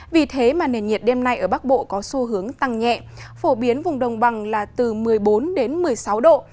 vì thế mà nền nhiệt đêm nay ở bắc bộ có xu hướng tăng nhẹ phổ biến vùng đồng bằng là từ một mươi bốn đến một mươi sáu độ